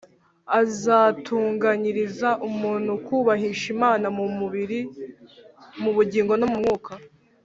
azatunganyiriza umuntu kubahisha imana mu mubiri, mu bugingo no mu mwuka